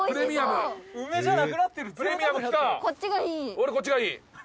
「俺、こっちがいい！」